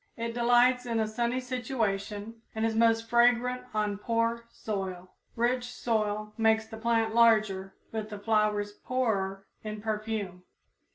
It delights in a sunny situation, and is most fragrant on poor soil. Rich soil makes the plant larger but the flowers poorer in perfume.